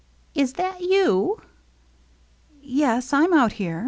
" Is that you ?" "Yes, Fm out here.'